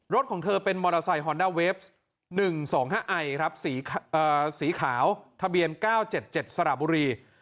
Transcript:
รถของเธอเป็นมอเตอร์ไซค์ฮอนดาเวฟส์หนึ่งสองห้าไอครับสีขาวทะเบียนเก้าเจ็ดเจ็ดสระบุรี